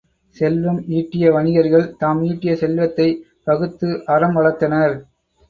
செல்வம் ஈட்டிய வணிகர்கள் தாம் ஈட்டிய செல்வத்தைப் பகுத்து அறம் வளர்த்தனர்.